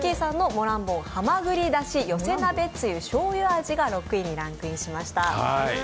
さんのモランボンはまぐりだし寄せ鍋つゆ醤油味が６位にランクインしました。